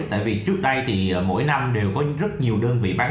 tại vì trước đây mỗi năm đều có rất nhiều đơn vị bán sách